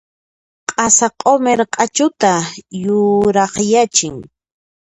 Qasa q'umir q'achuta yurakyachin.